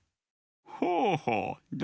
ほうほう。